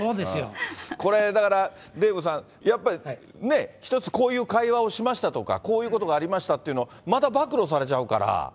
これ、だから、デーブさん、やっぱり、ね、一つこういう会話をしましたとか、こういうことがありましたっていうの、また暴露されちゃうから。